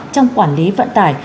trong quản lý vận tải